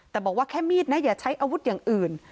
แต่บอกว่าแค่มีดนะอย่าใช้อาวุธอย่างอื่น